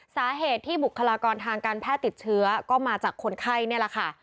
สาเหตุที่บุคลากรทางการแพทย์ติดเชื้อก็มาจากคนไข้นี่แหละค่ะ